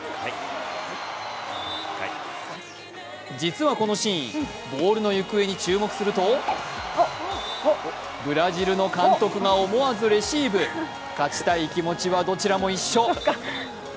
実はこのシーン、ボールの行方に注目すると、ブラジルの監督が思わずレシーブ、勝ちたい気持ちはどちらも一緒。